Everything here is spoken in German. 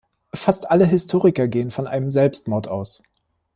Fast alle Historiker gehen von einem Selbstmord aus.